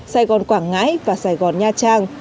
sài gòn quảng ngãi và sài gòn nha trang